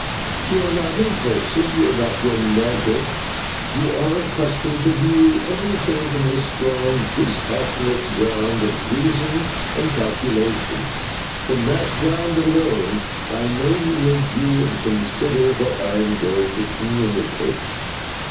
You are not impulsive, you are not romantic, you are accustomed to view everything from the strong dispassionate ground of reason and calculation. From that ground alone, I know you will view and consider what I am going to communicate.